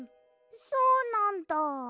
そうなんだ。